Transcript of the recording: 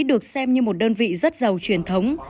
được xem như một đơn vị rất giàu truyền thống